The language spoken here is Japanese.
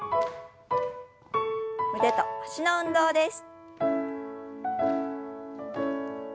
腕と脚の運動です。